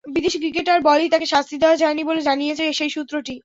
বিদেশি ক্রিকেটার বলেই তাঁকে শাস্তি দেওয়া যায়নি বলে জানিয়েছে সেই সূত্রটি।